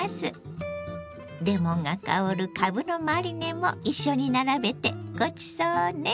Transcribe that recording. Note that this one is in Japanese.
レモンが香るかぶのマリネも一緒に並べてごちそうね。